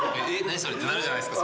それってなるじゃないですか。